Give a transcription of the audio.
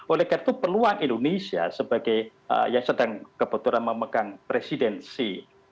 oleh karena itu peluang indonesia sebagai yang sedang kebetulan memegang presidensi